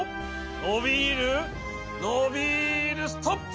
のびるのびるストップ！